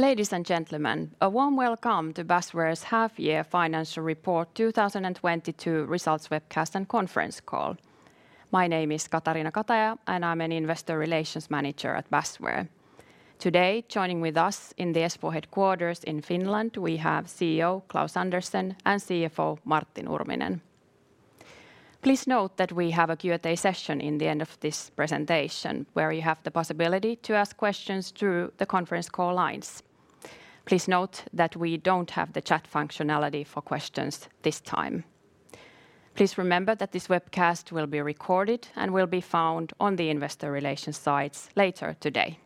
Ladies and gentlemen, a warm welcome to Basware's half-year financial report 2022 results webcast and conference call. My name is Katariina Kataja, and I'm an investor relations manager at Basware. Today, joining with us in the Espoo headquarters in Finland, we have CEO Klaus Andersen and CFO Martti Nurminen. Please note that we have a Q&A session in the end of this presentation where you have the possibility to ask questions through the conference call lines. Please note that we don't have the chat functionality for questions this time. Please remember that this webcast will be recorded and will be found on the investor relations sites later today.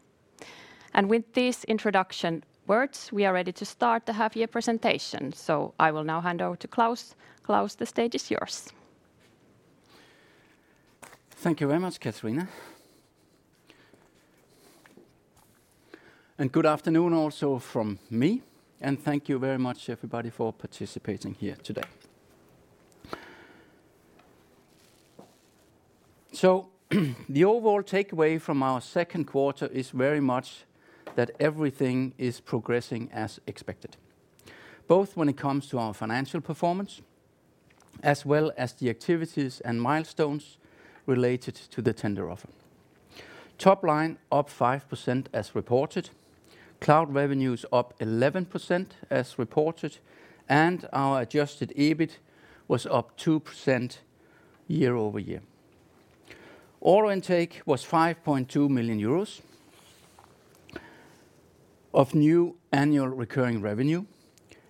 With these introduction words, we are ready to start the half-year presentation. I will now hand over to Klaus. Klaus, the stage is yours. Thank you very much, Katariina. Good afternoon also from me, and thank you very much everybody for participating here today. The overall takeaway from our second quarter is very much that everything is progressing as expected, both when it comes to our financial performance, as well as the activities and milestones related to the tender offer. Top line up 5% as reported, cloud revenues up 11% as reported, and our adjusted EBIT was up 2% year-over-year. Order intake was 5.2 million euros of new annual recurring revenue,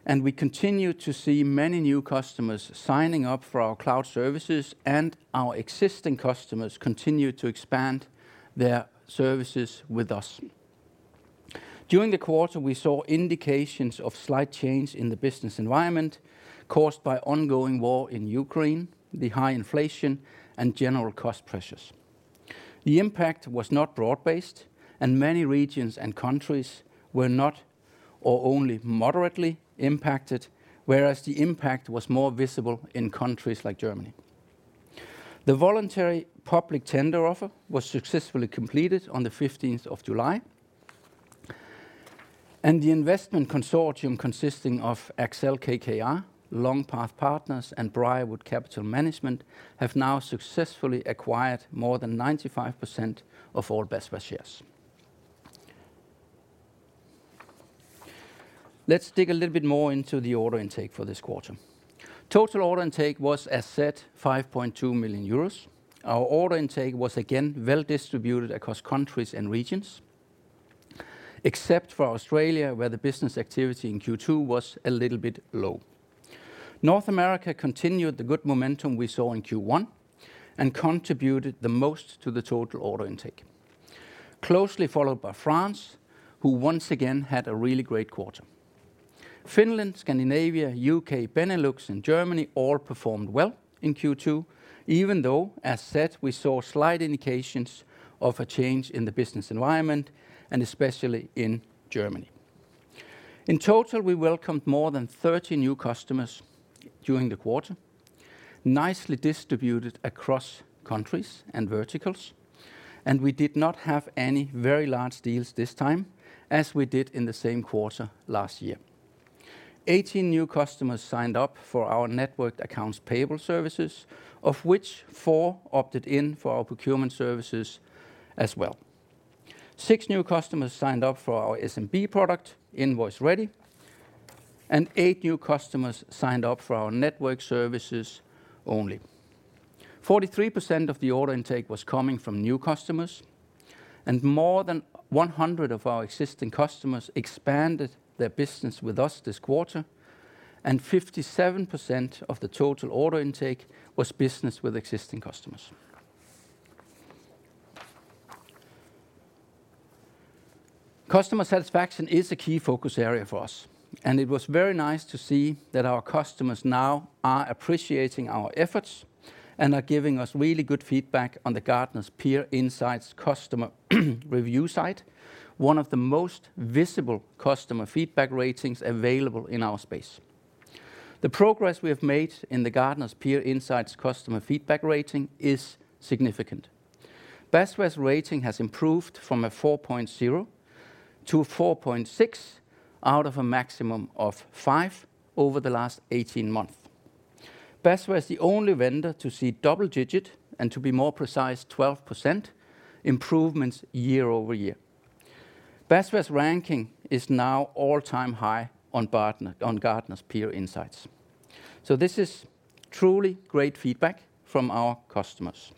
and we continue to see many new customers signing up for our cloud services, and our existing customers continue to expand their services with us. During the quarter, we saw indications of slight change in the business environment caused by ongoing war in Ukraine, the high inflation, and general cost pressures. The impact was not broad-based, and many regions and countries were not or only moderately impacted, whereas the impact was more visible in countries like Germany. The voluntary public tender offer was successfully completed on the fifteenth of July. The investment consortium consisting of Accel-KKR, Long Path Partners, and Briarwood Chase Management have now successfully acquired more than 95% of all Basware shares. Let's dig a little bit more into the order intake for this quarter. Total order intake was, as said, 5.2 million euros. Our order intake was again well-distributed across countries and regions, except for Australia, where the business activity in Q2 was a little bit low. North America continued the good momentum we saw in Q1 and contributed the most to the total order intake, closely followed by France, who once again had a really great quarter. Finland, Scandinavia, U.K., Benelux, and Germany all performed well in Q2, even though, as said, we saw slight indications of a change in the business environment, and especially in Germany. In total, we welcomed more than 30 new customers during the quarter, nicely distributed across countries and verticals, and we did not have any very large deals this time as we did in the same quarter last year. 18 new customers signed up for our networked accounts payable services, of which four opted in for our procurement services as well. Six new customers signed up for our SMB product, Invoice Ready, and eight new customers signed up for our network services only. 43% of the order intake was coming from new customers, and more than 100 of our existing customers expanded their business with us this quarter, and 57% of the total order intake was business with existing customers. Customer satisfaction is a key focus area for us, and it was very nice to see that our customers now are appreciating our efforts and are giving us really good feedback on the Gartner's Peer Insights customer review site, one of the most visible customer feedback ratings available in our space. The progress we have made in the Gartner's Peer Insights customer feedback rating is significant. Basware's rating has improved from a 4.0 to a 4.6 out of a maximum of 5 over the last 18 months. Basware is the only vendor to see double digit, and to be more precise, 12% improvements year-over-year. Basware's ranking is now all-time high on Gartner's Peer Insights. This is truly great feedback from our customers.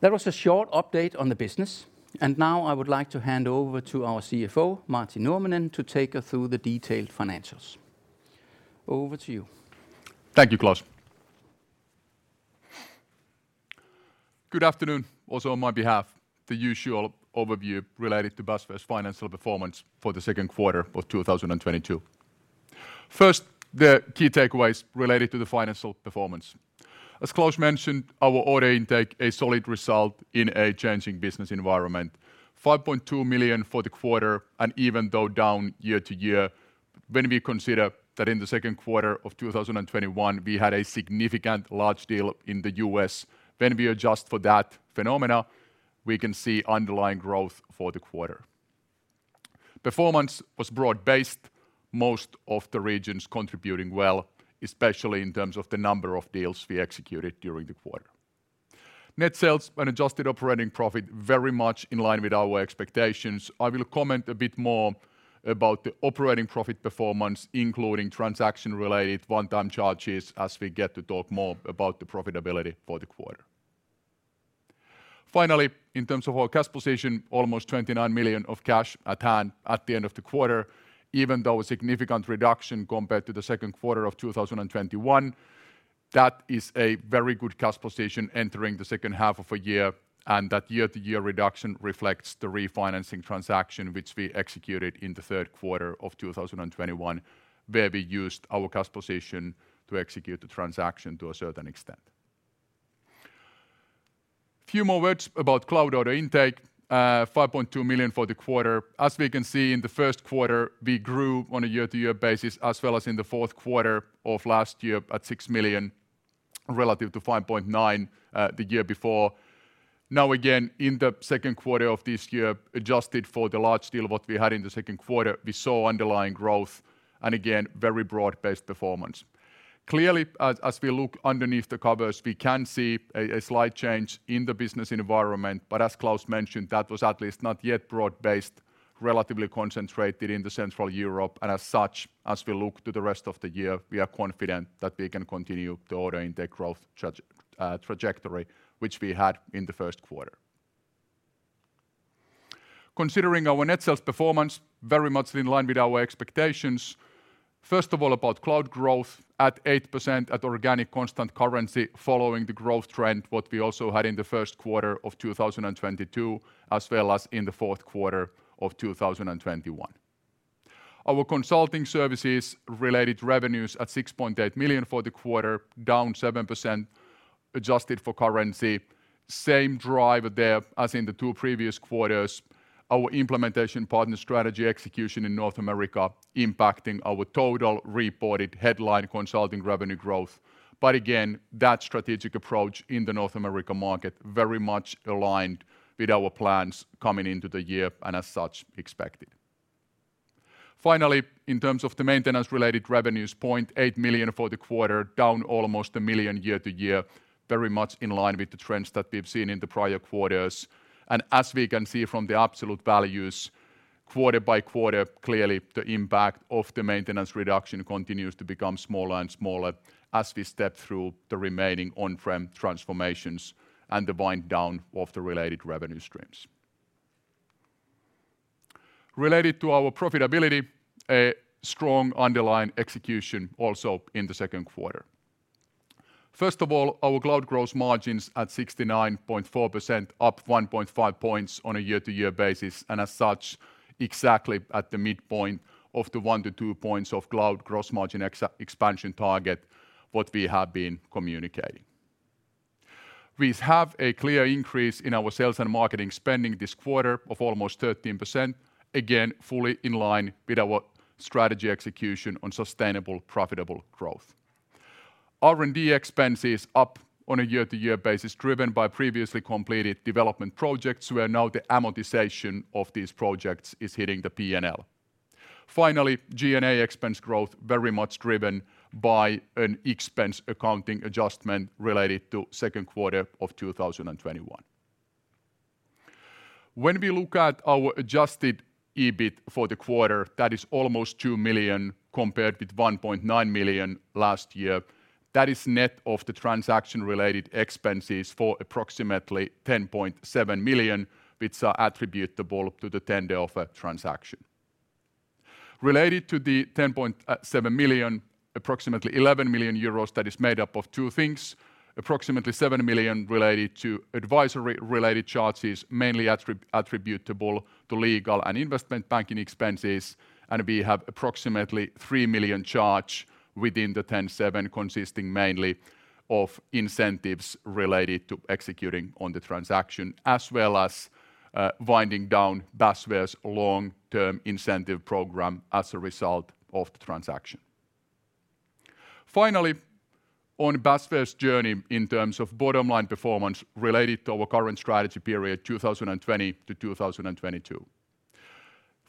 That was a short update on the business, and now I would like to hand over to our CFO, Martti Nurminen, to take us through the detailed financials. Over to you. Thank you, Klaus. Good afternoon also on my behalf. The usual overview related to Basware's financial performance for the second quarter of 2022. First, the key takeaways related to the financial performance. As Klaus mentioned, our order intake, a solid result in a changing business environment. 5.2 million for the quarter, and even though down year-over-year. When we consider that in the second quarter of 2021 we had a significant large deal in the U.S., when we adjust for that phenomenon, we can see underlying growth for the quarter. Performance was broad-based, most of the regions contributing well, especially in terms of the number of deals we executed during the quarter. Net sales and adjusted operating profit very much in line with our expectations. I will comment a bit more about the operating profit performance, including transaction-related one-time charges as we get to talk more about the profitability for the quarter. Finally, in terms of our cash position, almost 29 million of cash at hand at the end of the quarter, even though a significant reduction compared to the second quarter of 2021, that is a very good cash position entering the second half of a year, and that year-to-year reduction reflects the refinancing transaction which we executed in the third quarter of 2021, where we used our cash position to execute the transaction to a certain extent. Few more words about cloud order intake, 5.2 million for the quarter. As we can see in the first quarter, we grew on a year-to-year basis as well as in the fourth quarter of last year at 6 million relative to 5.9, the year before. Now again, in the second quarter of this year, adjusted for the large deal that we had in the second quarter, we saw underlying growth and again, very broad-based performance. Clearly, as we look underneath the covers, we can see a slight change in the business environment, but as Klaus mentioned, that was at least not yet broad-based, relatively concentrated in Central Europe. As such, as we look to the rest of the year, we are confident that we can continue the order intake growth trajectory which we had in the first quarter. Considering our net sales performance, very much in line with our expectations. First of all, about cloud growth at 8% at organic constant currency following the growth trend, what we also had in the first quarter of 2022 as well as in the fourth quarter of 2021. Our consulting services related revenues at 6.8 million for the quarter, down 7% adjusted for currency. Same driver there as in the two previous quarters. Our implementation partner strategy execution in North America impacting our total reported headline consulting revenue growth. Again, that strategic approach in the North America market very much aligned with our plans coming into the year and as such, expected. Finally, in terms of the maintenance-related revenues, 0.8 million for the quarter, down almost 1 million year-over-year, very much in line with the trends that we've seen in the prior quarters. As we can see from the absolute values quarter by quarter, clearly the impact of the maintenance reduction continues to become smaller and smaller as we step through the remaining on-prem transformations and the wind down of the related revenue streams. Related to our profitability, a strong underlying execution also in the second quarter. First of all, our cloud gross margins at 69.4%, up 1.5 points on a year-to-year basis, and as such, exactly at the midpoint of the 1-2 points of cloud gross margin expansion target what we have been communicating. We have a clear increase in our sales and marketing spending this quarter of almost 13%, again, fully in line with our strategy execution on sustainable, profitable growth. R&D expenses up on a year-over-year basis, driven by previously completed development projects, where now the amortization of these projects is hitting the PNL. Finally, G&A expense growth very much driven by an expense accounting adjustment related to second quarter of 2021. When we look at our adjusted EBIT for the quarter, that is almost 2 million compared with 1.9 million last year. That is net of the transaction-related expenses for approximately 10.7 million, which are attributable to the tender offer transaction. Related to the 10.7 million, approximately 11 million euros that is made up of two things, approximately 7 million related to advisory-related charges, mainly attributable to legal and investment banking expenses, and we have approximately 3 million charge within the 10.7 consisting mainly of incentives related to executing on the transaction, as well as winding down Basware's long-term incentive program as a result of the transaction. Finally, on Basware's journey in terms of bottom line performance related to our current strategy period, 2020 to 2022.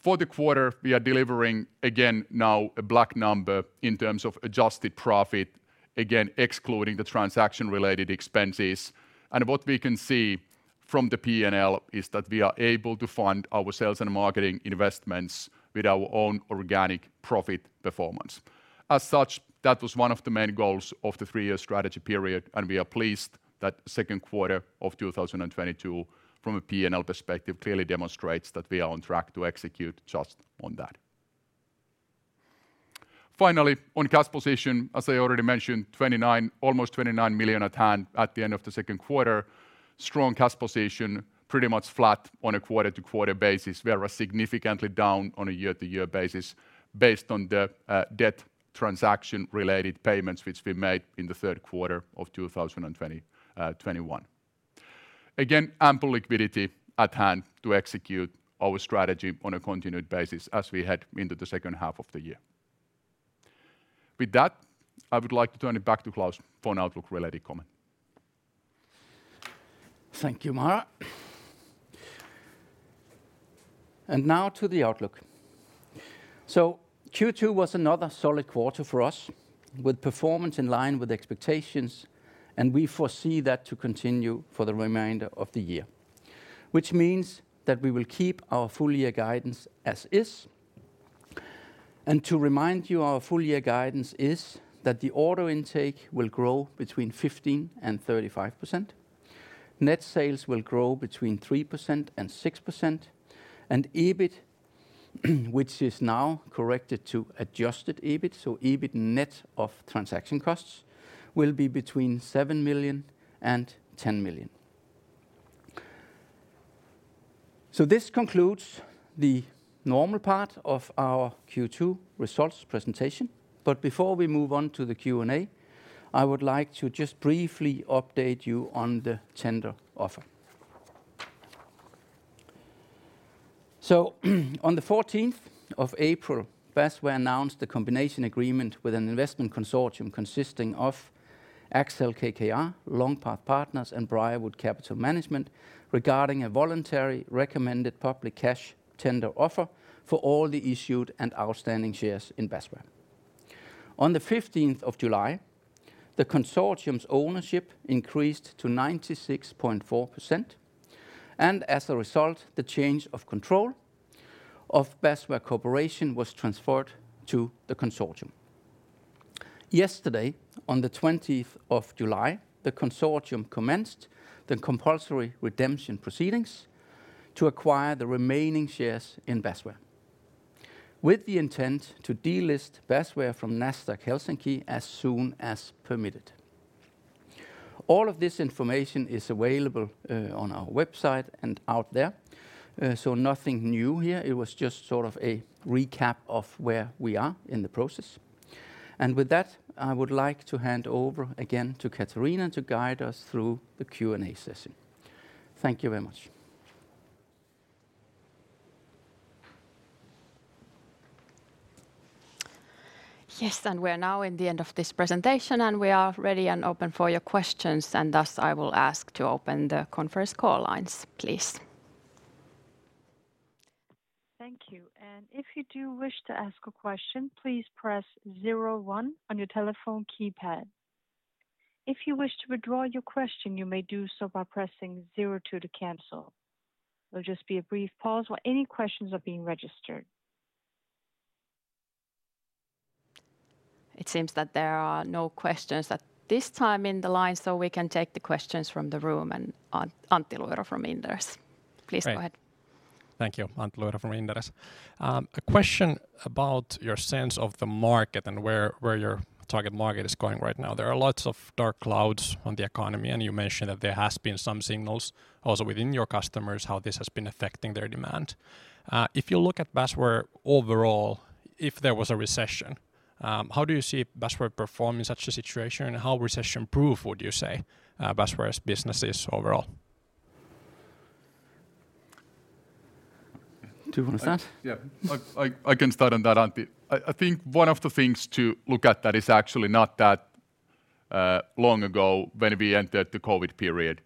For the quarter, we are delivering again now a black number in terms of adjusted profit, again excluding the transaction-related expenses. What we can see from the PNL is that we are able to fund our sales and marketing investments with our own organic profit performance. As such, that was one of the main goals of the three-year strategy period, and we are pleased that second quarter of 2022 from a PNL perspective clearly demonstrates that we are on track to execute just on that. Finally, on cash position, as I already mentioned, 29, almost 29 million at hand at the end of the second quarter. Strong cash position pretty much flat on a quarter-to-quarter basis. We are significantly down on a year-to-year basis based on the debt transaction-related payments which we made in the third quarter of 2021. Again, ample liquidity at hand to execute our strategy on a continued basis as we head into the second half of the year. With that, I would like to turn it back to Klaus for an outlook-related comment. Thank you, Martti Nurminen. Now to the outlook. Q2 was another solid quarter for us, with performance in line with expectations, and we foresee that to continue for the remainder of the year. Which means that we will keep our full year guidance as is. To remind you, our full year guidance is that the order intake will grow between 15% and 35%. Net sales will grow between 3% and 6%. EBIT, which is now corrected to adjusted EBIT, so EBIT net of transaction costs, will be between 7 million and 10 million. This concludes the normal part of our Q2 results presentation. Before we move on to the Q&A, I would like to just briefly update you on the tender offer. On the fourteenth of April, Basware announced the combination agreement with an investment consortium consisting of Accel-KKR, Long Path Partners, and Briarwood Chase Management regarding a voluntary recommended public cash tender offer for all the issued and outstanding shares in Basware. On the fifteenth of July, the consortium's ownership increased to 96.4%. As a result, the change of control of Basware Corporation was transferred to the consortium. Yesterday, on the twentieth of July, the consortium commenced the compulsory redemption proceedings to acquire the remaining shares in Basware, with the intent to delist Basware from Nasdaq Helsinki as soon as permitted. All of this information is available on our website and out there, so nothing new here. It was just sort of a recap of where we are in the process. With that, I would like to hand over again to Katariina to guide us through the Q&A session. Thank you very much. Yes, we're now in the end of this presentation, and we are ready and open for your questions, and thus I will ask to open the conference call lines, please. Thank you. If you do wish to ask a question, please press zero one on your telephone keypad. If you wish to withdraw your question, you may do so by pressing zero two to cancel. There'll just be a brief pause while any questions are being registered. It seems that there are no questions at this time in the line, so we can take the questions from the room and Antti Luoto from Inderes. Please go ahead. Thank you. Antti Luiro from Inderes. A question about your sense of the market and where your target market is going right now. There are lots of dark clouds on the economy, and you mentioned that there has been some signals also within your customers, how this has been affecting their demand. If you look at Basware overall, if there was a recession, how do you see Basware perform in such a situation? How recession-proof would you say Basware's business is overall? Do you want to start? Yeah. I can start on that, Antti. I think one of the things to look at that is actually not that long ago when we entered the COVID period.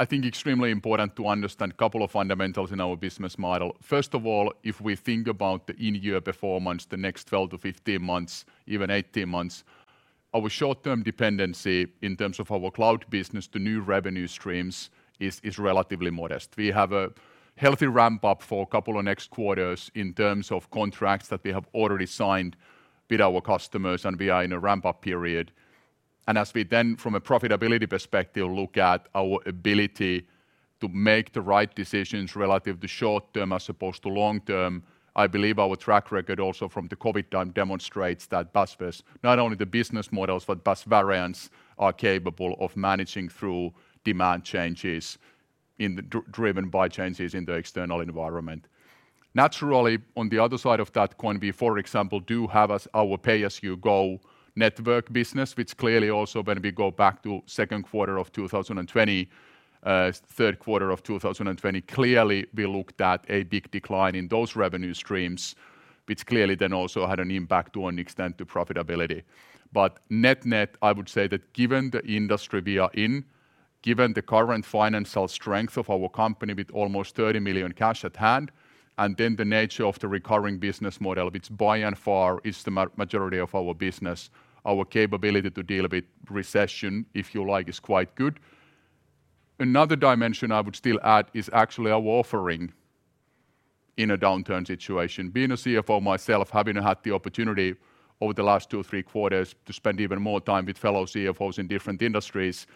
I think extremely important to understand couple of fundamentals in our business model. First of all, if we think about the in-year performance, the next 12-15 months, even 18 months, our short-term dependency in terms of our cloud business to new revenue streams is relatively modest. We have a healthy ramp-up for couple of next quarters in terms of contracts that we have already signed with our customers, and we are in a ramp-up period. As we then, from a profitability perspective, look at our ability to make the right decisions relative to short term as opposed to long term, I believe our track record also from the COVID time demonstrates that Basware's, not only the business models but Baswareans are capable of managing through demand changes in the driven by changes in the external environment. Naturally, on the other side of that coin, we, for example, do have as our pay-as-you-go network business, which clearly also when we go back to second quarter of 2020, third quarter of 2020, clearly we looked at a big decline in those revenue streams, which clearly then also had an impact to an extent to profitability. net-net, I would say that given the industry we are in, given the current financial strength of our company with almost 30 million cash at hand, and then the nature of the recurring business model, which by and large is the majority of our business, our capability to deal with recession, if you like, is quite good. Another dimension I would still add is actually our offering in a downturn situation. Being a CFO myself, having had the opportunity over the last two, three quarters to spend even more time with fellow CFOs in different industries,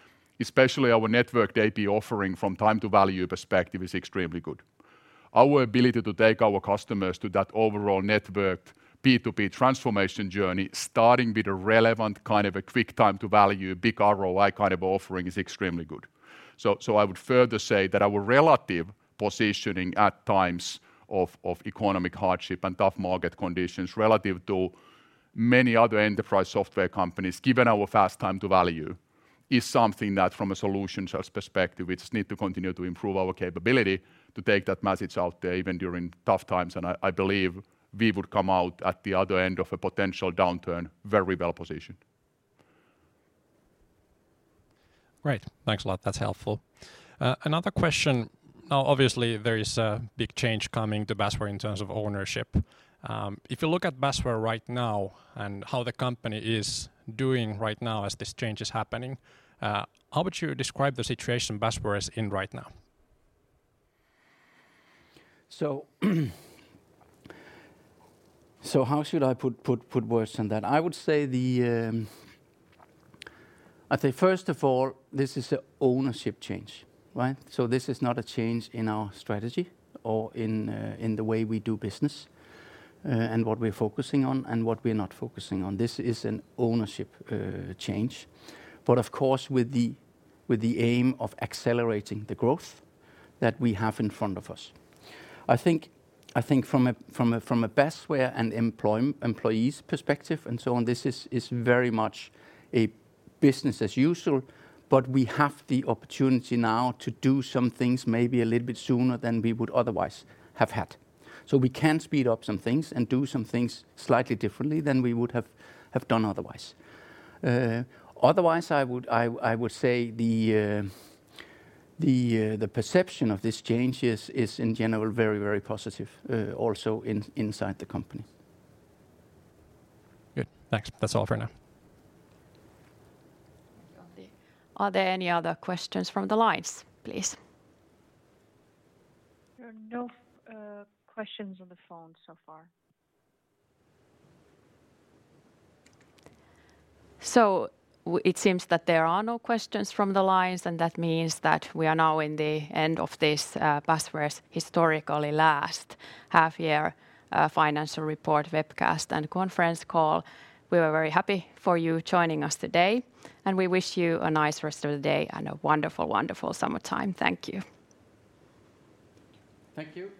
especially our network AP offering from time to value perspective is extremely good. Our ability to take our customers to that overall networked B2B transformation journey, starting with a relevant kind of a quick time to value, big ROI kind of offering is extremely good. I would further say that our relative positioning at times of economic hardship and tough market conditions relative to many other enterprise software companies, given our fast time to value, is something that from a solutions perspective, we just need to continue to improve our capability to take that message out there even during tough times. I believe we would come out at the other end of a potential downturn, very well-positioned. Great. Thanks a lot. That's helpful. Another question. Now, obviously, there is a big change coming to Basware in terms of ownership. If you look at Basware right now and how the company is doing right now as this change is happening, how would you describe the situation Basware is in right now? How should I put words on that? I would say, first of all, this is a ownership change, right? This is not a change in our strategy or in the way we do business, and what we're focusing on and what we're not focusing on. This is an ownership change. Of course, with the aim of accelerating the growth that we have in front of us. I think from a Basware and employees perspective and so on, this is very much a business as usual, but we have the opportunity now to do some things maybe a little bit sooner than we would otherwise have had. We can speed up some things and do some things slightly differently than we would have done otherwise. Otherwise, I would say the perception of this change is in general very, very positive, also inside the company. Good. Thanks. That's all for now. Are there any other questions from the lines, please? There are no questions on the phone so far. It seems that there are no questions from the lines, and that means that we are now in the end of this, Basware's historically last half-year, financial report webcast and conference call. We were very happy for you joining us today, and we wish you a nice rest of the day and a wonderful summertime. Thank you. Thank you.